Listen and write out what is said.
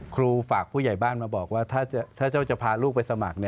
ฝากผู้ใหญ่บ้านมาบอกว่าถ้าเจ้าจะพาลูกไปสมัคร